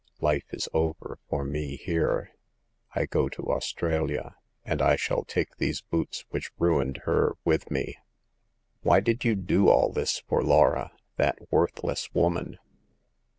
Life is over for me here; I go to Australia, and I shall take these boots which ruined her with me." "Why did you do all this for Laura— that worthless woman